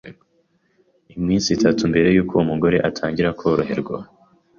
Iminsi itatu mbere yuko uwo mugore atangira koroherwa,